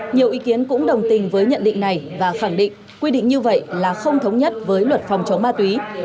nhiều ý kiến cũng đồng tình với nhận định này và khẳng định quy định như vậy là không thống nhất với luật phòng chống ma túy